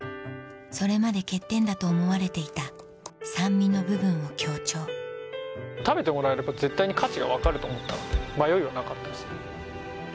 それまで欠点だと思われていた酸味の部分を強調食べてもらえれば絶対に価値が分かると思ったので迷いはなかったですね。